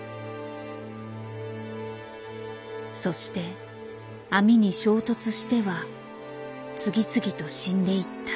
そして網に衝突しては次々と死んでいった。